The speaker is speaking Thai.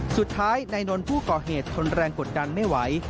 สุดท้ายนายนนท์ผู้ก่อเหตุทนแรงกดดันไม่ไหว